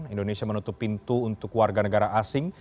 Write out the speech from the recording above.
indonesia menutup pintu untuk warga negara asing